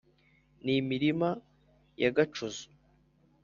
ni imirima ya gacuzo